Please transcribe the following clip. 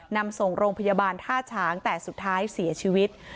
นำส่งโรงพยาบาลท่าฉางแต่สุดท้ายเสียชีวิต